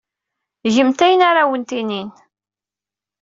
Gemt ayen ara awent-inin.